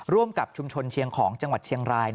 ร่วมกับชุมชนเชียงของจังหวัดเชียงราย